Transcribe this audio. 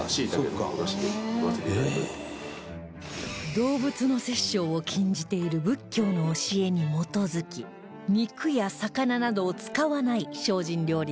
動物の殺生を禁じている仏教の教えに基づき肉や魚などを使わない精進料理ですが